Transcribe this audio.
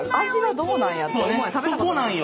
そこなんよ。